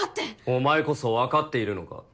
お前こそわかっているのか。